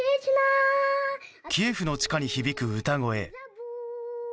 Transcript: キエフの地下に響く歌声。